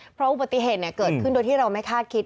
เพราะอุบัติเหตุเกิดขึ้นโดยที่เราไม่คาดคิด